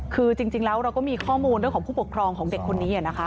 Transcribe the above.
คือจริงแล้วเราก็มีข้อมูลเรื่องของผู้ปกครองของเด็กคนนี้นะคะ